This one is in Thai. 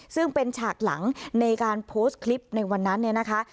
ซึ่งเป็นฉากหลังในการโพสต์คลิปในวันนั้นเนี่ยนะคะ